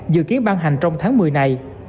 dự kiến ban hành trong tháng một mươi này